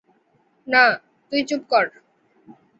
না, তুই চুপ কর।